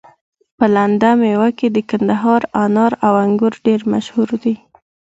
په لنده ميوه کي د کندهار انار او انګور ډير مشهور دي